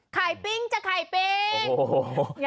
ไข่ปิงจะไข่ปิง